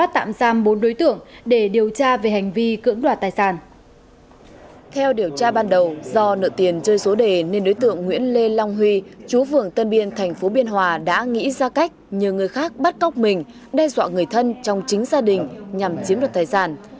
theo điều tra ban đầu do nợ tiền chơi số đề nên đối tượng nguyễn lê long huy chú phường tân biên tp biên hòa đã nghĩ ra cách nhờ người khác bắt cóc mình đe dọa người thân trong chính gia đình nhằm chiếm đoạt tài sản